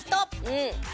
うん。